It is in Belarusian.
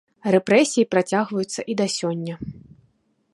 Рэпрэсіі працягваюцца і да сёння.